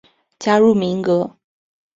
加入民革。